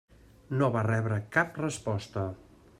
No va rebre cap resposta.